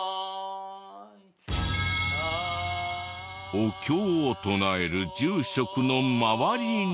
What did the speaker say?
お経を唱える住職の周りに。